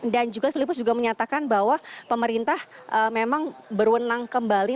juga filipus juga menyatakan bahwa pemerintah memang berwenang kembali